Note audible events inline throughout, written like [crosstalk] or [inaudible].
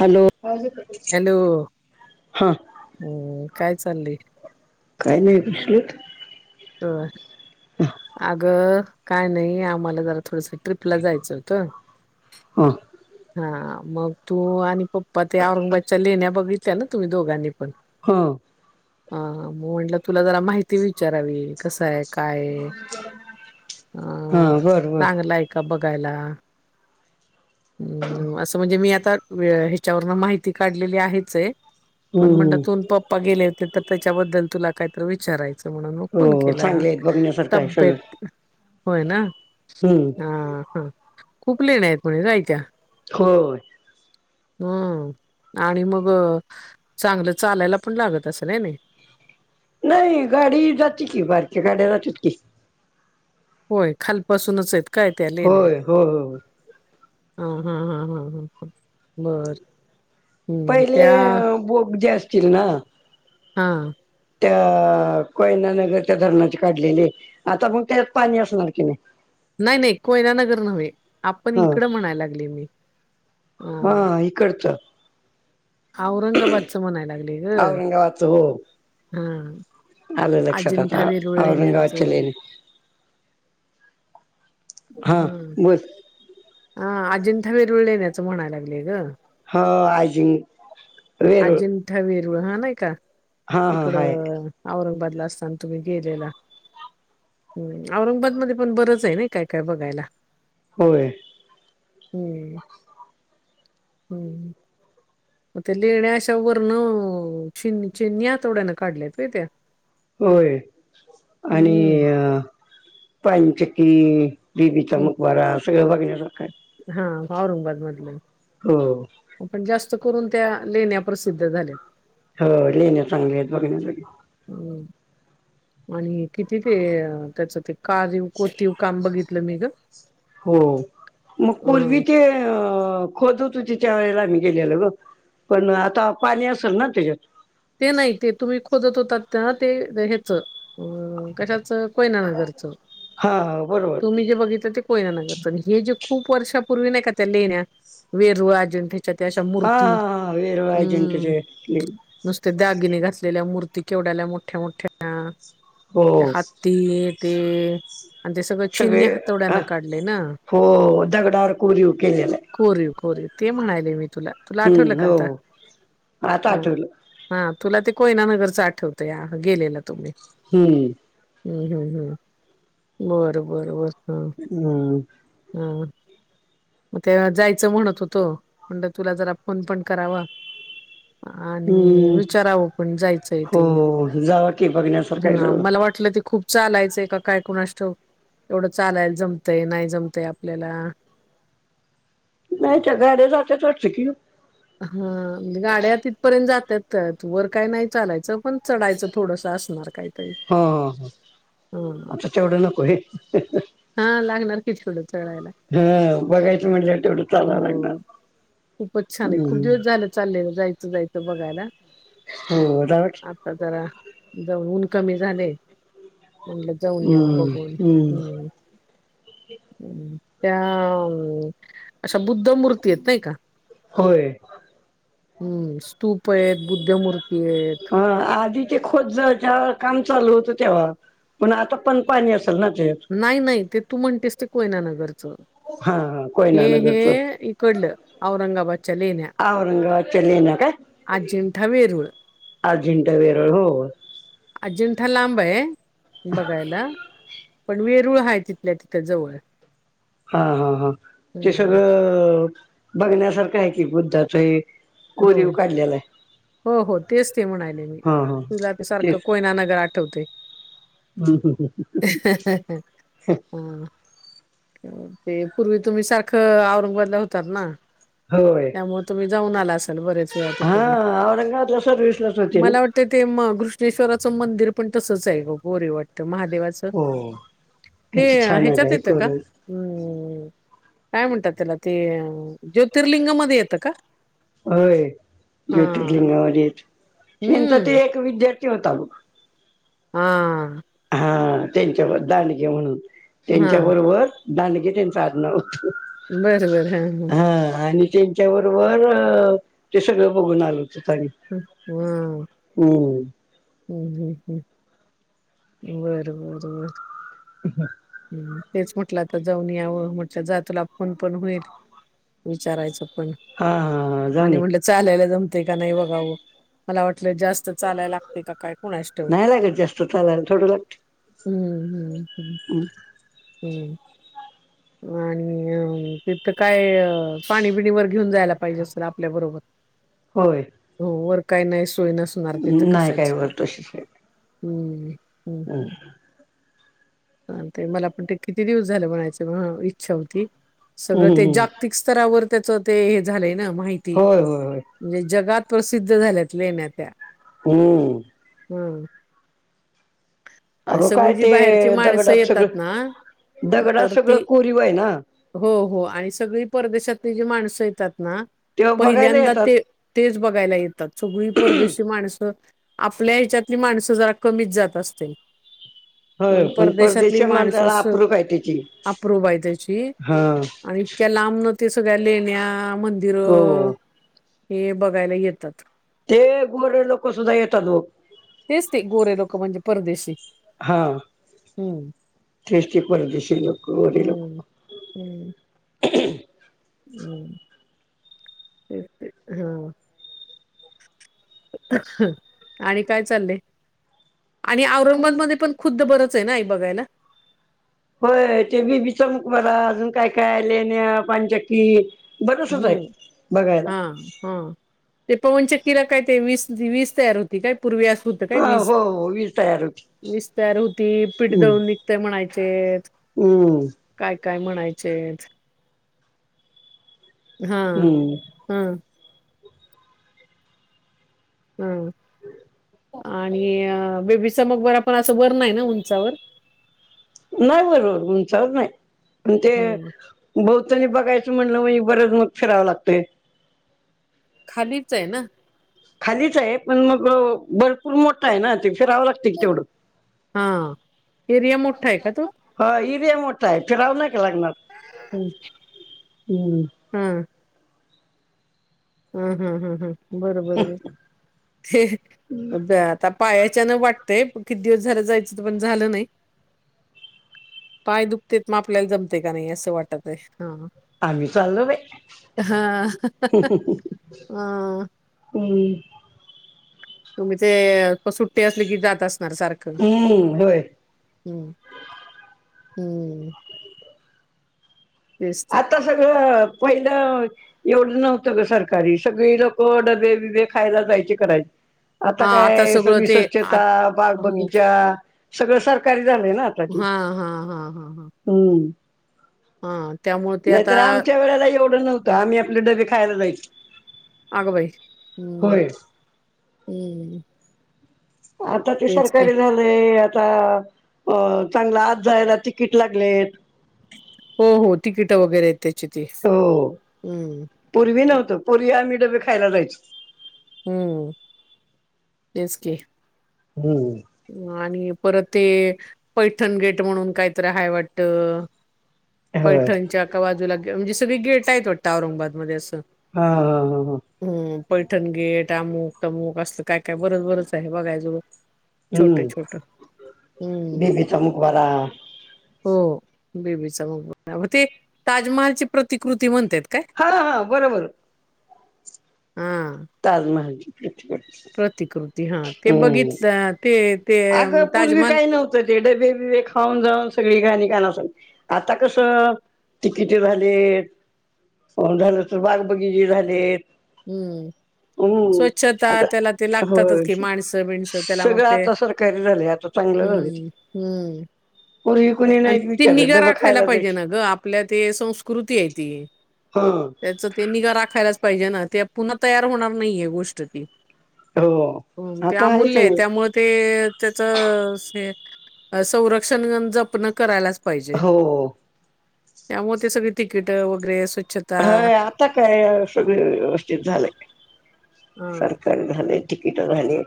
Hello हा hello अ, काय चाललय काइ नाइ कशे [unintelligible] ह. अगं काय नाही आम्हाला जरा थोडस ट्रिपला जायचं होत हा हा मग तू आणि प् प्पा ते औरंगबादच्या लेहिण्या बघितल्या ना तुम्ही दोघांनी पण हा ह मग म्हंटलं तुला जरा माहिती विचारावी कसय काय हा अं बर बर चांगलं आहे का बघायला हम्म असं म्हणजे मी आता ह्याच्यावरून माहिती काढलेली आहेच आहे पण म्हटल हम्म तून पप्पा गेले होते तर त्याच्याबद्दल तुला काहीत विचारायचं म्हणून मग फोन हो केला चांगले आहेत बघण्यासारखं आहे सगळं तब्बेत होय ना हम्म हा हा खूप लेण्या आहेत म्हणे जायच्या हो हम्म आणि मग चांगलं चालायला पण लागत असेलय आणि नाही गाडी जाते की बारक्या गाड्या जातात की होय खालपासूनच आहेत काय त्या लेण्या होय हो हो हा हा हा हा ह बर हम्म पहिले त्या बोग जे असतील ना हा त्या कोयना नगर त्या धरणाची काढलेली आता मग त्यात पाणी असणार की नाही नाही नाही कोयना नगर नव्हे आपण ह इकडं म्हणायला लागली मी हा इकडचं औरंगाबादच म्हणाय लागले ग औरंगाबादचं हो हा आलं लक्षात आता औरंगाबादच्या अजिंठावीरुळलेण्याचं लेणे हां बोल ह अजिंठा वेरुळलेण्याचं म्हणायला लागलेय ग हा आयजिंग वेरूळ ळ हा नाही का हा हा तिकड हाय औरंगाबादला असताना तुम्ही गेलेला होय औरंगाबादमधे पण बरच आहे ना काय काय बघायला होय हम्म हम्म मग ते लेण्या अशा वर्ण चि चिन्नी हातोडण्यन काढल्यात वय त्या होय हम्म आणि पांचकी हम्म बीबीकामुकबारा सगळ बघण्यासारखं आहे हा औरंगाबाद मधले हो जास्त करून त्या लेण्या प्रसिद्ध झाल्यात हो लेण्या चांगले आहेत बघण्यासाठी आणि किती ते त्याच ते कारव कोतीव काम बघित तल मी ग हो मग अ पूर्वी ते खोदत होते त्या वेळेला आम्ही गेलेलो ग पण आता पाणी असेल ना त्याच्यात ते नाही ते तुम्ही खोदत होताात ते ह्याच कश कोयना नगरच हा हा बरोबर तुम्ही जे बघितलं ते कोयना नगरच हे जे खूप वर्षापूर्वी नाही का त्या लेण्या वेरूळ अजिंठया च्या त्या अश्या हा मूर्ती हा हा वेरूळ हम्म अजिंठ्याचे लेणी. ते दागिने घासलेल्या मूर्ती केवढ्याला मोठ्या मोठ्या हो हत्ती ते आणि ते सगळं छीन्नी सगळे हातोड्यान ह काढले ना हो दगडावर कोरीव केलेलं कोरीव कोरीव आहे ते म्हणायले मी तुला तुला आठवलं हम्म का हो आता आता ह आठवलं ह तुला ते कोयना नगरच आठवतया गेलेला तुम्ही हम्म हम्म हम् हम् बरं बरं बर हा हम्म. हा मग ते जायचं म्हणत होतो म्हणल तुला जरा फोन पण करावा आणि हम्म विचारावं पण जायचंय ते हो जावा की बघण्यासारखं आहे ह सगळं. मला वाटलं ते खूप चालायचंय काय कुणाष्ठाऊक एवढं चालाय जमतय नाही जमतय आपल्याला [unintelligible] गाड्या जात्यात वाटतं की हा म्हणजे गाड्या तिथपर्यंत जात त्यात वर काय नाही चालायचं पण चढायचं थोडस असणार काही हा ह आता तेवढं नको होय हा लागणार की थोडं चढायला हा बघायचं म्हणजे तेवढं चालाव लागणार हो खूपच छानय खूप हम्म दिवस झालं चाललेल जायच बघायला हो जावा की आता जरा [unintelligible] कमी झालय म्हणलं जाऊन याव हम्म बघून हम्म हम् त्या अ अशा बुद्धमूर्ती आहेत नाही का होय हम् आहेत बुद्धमूर्ती आहेत. हा आधी ते खोदच ज्यावेळा काम चालू होत तेव्हा पण आता पण पाणी अस नाही नाही ते तू म्हणतेस ते कोयना नगरचं हा हा हे कोयना हे नगरच इकडलं औरंगाबादच्या लेण्या औरंगाबादच्या लेण्या काय अजिंठा, वेरूळ अजिंठा, वेरळ हो अजिंठा लांब आहे बघायला पण वेरूळ हाय तिथल्या तिथ जवळ हा हा हा ते हम्म सगळं अ बघण्यासारखं आहे की बुद्धाचय. हो कोरीव काढलेलाय हो हो तेच ते म्हणाले मी हा तुला ते तेच सारखं कोयना नगर आठवतय हम्म ह् हा ते पूर्वी तुम्ही सारखं औरंगाबादला होतात ना होय त्यामुळ तुम्ही जाऊन आला असाल बरेच वेळा तिकडन हा औरंगाबादला सर्विसलाच होते ना मला वाट ते ते घृष्णेश्वराच मंदिर पण तसच आहे ग गोरे वाट महादेवाच हो ते किती छान आहे ह्याच्यात हे येतं का? करून हम्म काय म्हणतात त्याला ते ज्योतिर्लिंगामध्ये येतं का? होय हा ज्योतिर्लिंगामध्ये येत ह्यांचा ते हम्म एक विद्यार्थी ती होता बग हा हा त्यांच्यावर दांडगे म्हणून त्यांच्या हा बरोबर दांडगे त्यांचा आडनाव हा आणि त्यांच्या बरोबर अ ते सगळं बघून आलो [unintelligible] हम्म हम् ह् ह् बर बर बर [inaudible] तेच म्हटलं आता जाऊन यावं म्हटलं जा तुला फोन पण होईल, विचारायच. पण, हा हा हा जाऊन आणि ये म्हणलं चालायला जमतय का नाही बघावं. मला वाट जास्त चालाय लाग नाही लागत जास्त चालायला थोडं लागतय. हम्म, हम्म. [unintelligible] म्हण तिथं काय पाणी बिनी वर घेऊन जायला पाहिजे असेल आपल्याबरोबर होय हो वर काही नाही सोय नसणार तिथ नाही काय कसायची वर तशीच आहे हम्म हम् हम् ते मला पण ते किती दिवस झालं बघायची इच्छा होती सगळं हम्म ते हम्म जागतिक स्तरावर त्याच ते हे झालंय ना माहिती होय होय होय त्याची म्हणजे जगात प्रसिद्ध झाल्यात लेण्या त्या हम्म हम्म अ अगं काय सगळी जी ते बाहेरची माणसं दगडात येतात सगळं ना दगडात तर सगळं ती कोरीव आहे ना हो हो आणि सगळी परदेशातली जी माणसं येतात तेव्हा बघायला पहिल्यांदा येतात ते ते बघायला येतात परदेशी माणस आपल्या हेच्यातली माणसं जरा कमीच जात असतात थ होय पण परदेशातली परदेशी माणस माणसाला अस अप्रूप आहे त्याची अप्रूप आहे त्याची हा आणि इतक्या लांब न ते सगळ्या लेण्या, मंदिरं हो हे बघायला येतात. ते गोरे लोक सुद्धा येतात बघ. तेच ते गोरे लोक म्हणजे परदेशी. हा. हम्म. तेच ते परदेशी लोक, गोरी लोक. हम्म हम्. ते, ते हा. आणि काय चालय. आणि औरंगाबादमध्ये पण खुद्द बरंच आहे ना बघायल. होय ते बीबीचा मकबरा अजून काय काय लेण्या, पांचकी. बरसच हाय हम्म बघायला. हा हा ते पवन चक्कीला काय ते वीज वीज तयार होती काय? पूर्वीस होत काय हा वीज, हो हो वीज तयार होती वीज तयार होती पीठ दळून हम्म निघतंय म्हणाय चे. हम्म. काय म्हणायचेत. हा, हम्म हम. हम्म. आणि बेबीच मगबरा पण असं वर नाही ना उंचावर. नाही वर उंचावर नाही, पन ते ह ब नी बघायचं म्हणलं मग बरंच मग फिरावं लागतंय. खालीच आहे ना. खालीच आहे पण मग भरपूर मोठा आहे ना ते. फिरावं लागते की तेवढं हा एरिया मोठा आहे का? तो हा एरिया मोठा आहे फिराव न का लागणार, हा हम. हम, हम, हम बरोबर ते आता पायाच्या न वाटतय किती दिवस झालं जायचं पण झालं नाही. पाय दुखतेत म आपल्याला जमते का नाही असं वाटतय. आम्ही चाललो बाई. हा अ हम्म तुम्ही ते सुट्टी असली की जात अस- [unintelligible] सारक हम् हम्म होय हम् आता सगळं पहिलं एवढं नव्हतं ग सरकारी सगळी लोक डबे बिबे खायला जायचे करायचे आता हा काय सगळं सगळी ते आ स्वच्छता बाग हो बगीचा सगळं सरकारी झाले ना आता ते, हा हा हा हा हा हम्म. हा. त्यामुळे ते आता नाहीतर आमच्या वेळेला एवढं नव्हतं आम्ही आपले डबे खायला जायचो. अगबाई, हम्म, होय हम्म. आता ते तेच की सरकारीला लंय आता, अ चांगला आज जायला तिकीट लागलेत. हो हो तिकीट वगैरे त्याची ती हो, हम्म पूर्वी नव्हते पूर्वी आम्ही डबे खायला जायचो. हम्म, तेच की, हम्म आणि परत ते पैठण गेट म्हणून कायतर हाय वाटत. होय पैठणच्या का बाजूला म्हणजे सगळी गेट आहेत वाटतं औरंगाबादमध्ये अस. हा हा हा हा हम्म पैठण गेट. त्यामुक तममुक असत काय काय बरच बरच आहे बघायजळ हम हम्म बीबीचा मकबरा हो बीबीचा घुमट मग ब ते ताजमहालची प्रतिकृती म्हणतात काय हा हा बरोबर हा ताज महाल प्रतिकृती हा ते बघितलं ते ते अगं अं, पूर्वी ताजमहाल काही नव्हतं ते डबे बिबे खाऊन जाऊन सगळी घाणी गानास आता कसं तिकिट झालेत झालं तर बागबगीचेे झालेत हम्म हम्म स्वच्छता आता त्याला ते लागतातच होय की माणसं बिणसं त्याला मग सगळं ते आता सरकारी झालंय आता चांगलं झालंय ते हम्म हम्म पूर्वी कुणी आणि नाहीत ती विचारत निगा डबं राखायला खायला पाहिजे जायची ना ग आपल्या ते संस्कृती आहे ती हा त्याच ते निगा राखायलाच पाहिजे ना ते पुन्हा तयार होणार नाहीेय गोष्ट ती हो ह ते आता अमूल्य आहे चांगलं त्यामुळे ते त्याचं स हे संरक्षण जपन करायलाच पाहिजे हो त्यामुळे ते सगळी तिकीट वगैरे स्वच्छता हा आता काय सगळे व्यवस्थित झालेय हा सरकार झालय तिकिट झाली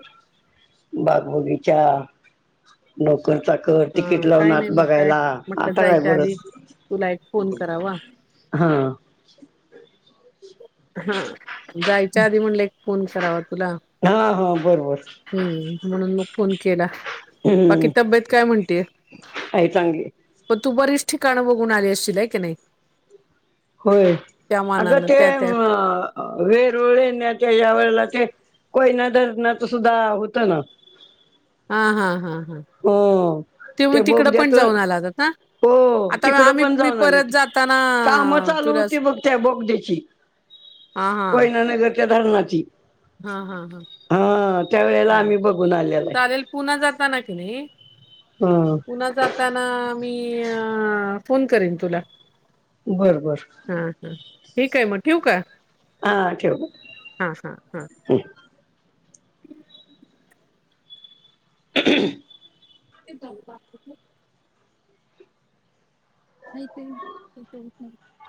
बागबगीच्या नोकर चाकर कर तिकीट हा काय लावणार नाही मग काय बघायला म्हटलं आता काय जायच्या आधी बरच तुला एक फोन करावा हा हा जायच्या आधी म्हणले एक फोन करावा तुला हा हा बरोबर हम्म म्हणून मग फोन केला बाकी हम्म तब्येत काय म्हणते आहे चांगली पण तू बरी ठिकाण बघून आली असशील हाय की ने होय अग ते अ वेरूळे लेण्या च्या या वेळेला च कोयना धरणांच सुद्धा होत ना हा हा हा हो ते मी तिकडं पण जाऊन आलात आता हो तिकडं आम्ही पण मी जाऊन परत आलेत जाताना काम चालू तुला होती बघ त्या बोगदा ची हां, हां. कोयनानगरच्या धरणाची हां, हां, हां, हा त्यावेेळेला हां. आम्ही बघून आल्यालय चालेल पुन्हा [unintelligible] पुन्हा जाताना मी - फोन करेन तुला बर बर हां, हां. ठीक आहे मग ठेवू का हा ठेव हां, हां, हां. [unintelligible] ते जाऊ बाकीच [unintelligible]